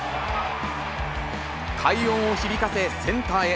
快音を響かせ、センターへ。